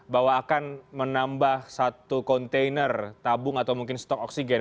bahwa akan menambah satu kontainer tabung atau mungkin stok oksigen